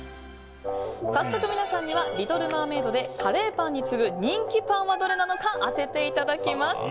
早速皆さんにはリトルマーメイドでカレーパンに次ぐ人気パンはどれなのか当てていただきます。